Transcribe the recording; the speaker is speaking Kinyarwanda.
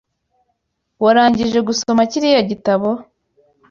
Warangije gusoma kiriya gitabo?